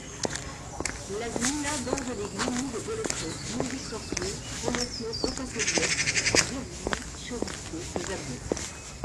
La gmina borde les gminy de Bolesław, Nowy Korczyn, Olesno, Opatowiec, Wietrzychowice et Żabno.